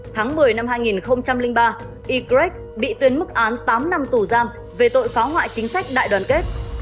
tháng một mươi năm hai nghìn ba ygrec bị tuyên mức án tám năm tù giam về tội phá hoại chính sách đại đoàn kết